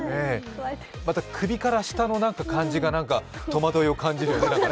また首から下の感じが、戸惑いを感じるよね。